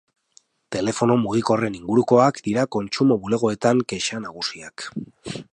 Telefono mugikorren ingurukoak dira kontsumo bulegoetan kexa nagusiak.